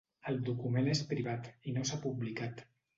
El document és privat i no s'ha publicat.